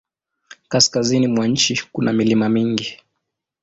Kaskazini mwa nchi kuna milima mingi.